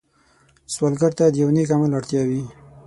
سوالګر ته د یو نېک عمل اړتیا وي